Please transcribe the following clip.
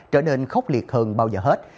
trở nên khốc liệt hơn bao giờ hết